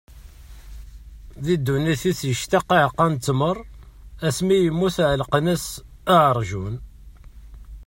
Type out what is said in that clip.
Di ddunit-is ictaq aɛeqqa n ttmer; asmi i yemmut ɛellqen-as aɛerjun.